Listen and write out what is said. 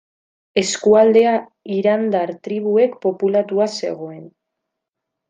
Eskualdea irandar tribuek populatua zegoen.